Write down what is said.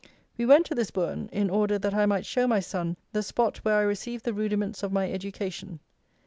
We went to this Bourn in order that I might show my son the spot where I received the rudiments of my education.